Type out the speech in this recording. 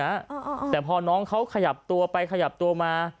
เนี่ยพอน้องเขาขยับไปขยับตัวมา